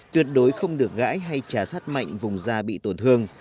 tuyệt đối không được gãi hay trà sát mạnh vùng da bị tổn thương